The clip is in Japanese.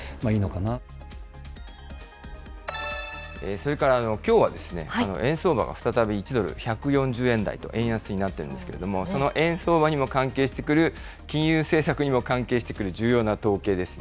それからきょうは、円相場が再び１ドル１４０円台と円安になっているんですけれども、その円相場に関係してくる、金融政策にも関係している重要な統計です。